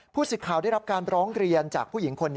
สิทธิ์ข่าวได้รับการร้องเรียนจากผู้หญิงคนนี้